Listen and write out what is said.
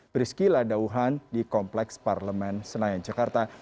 brisky ladauhan di kompleks parlemen senayan jakarta